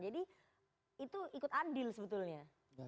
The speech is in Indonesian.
jadi itu ikut andil sebetulnya